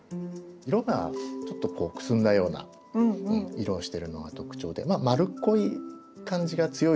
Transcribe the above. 色がちょっとくすんだような色をしてるのが特徴でまあ丸っこい感じが強いですかね。